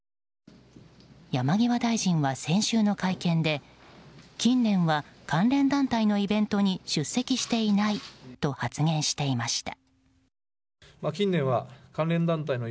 山際大臣は先週の会見で近年は、関連団体のイベントに出席していないと発言していました。